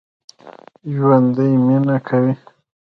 ژوندي مېنه کوي